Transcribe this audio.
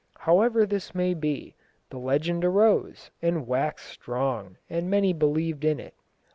However this may be, the legend arose, and waxed strong, and many believed in it.